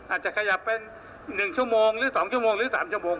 อาจจะขยับเป็น๑ชั่วโมงหรือ๒ชั่วโมงหรือ๓ชั่วโมง